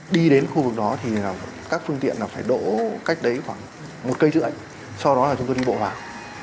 đi đến khu vực đó thì các phương tiện phải đỗ cách đấy khoảng một cây chữ ảnh sau đó là chúng tôi đi bộ vào